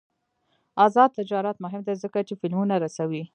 آزاد تجارت مهم دی ځکه چې فلمونه رسوي.